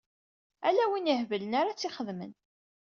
Ala win iheblen ara tt-ixedmen.